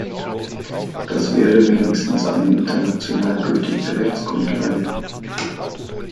Das wäre wenigstens eine international gültige Rechtsgrundlage.